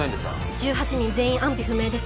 １８人全員安否不明です